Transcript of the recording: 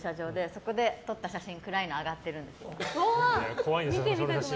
そこで撮った写真暗いの上がってるんです。